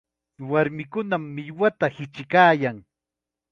Warmikunam millwata hichiykaayan.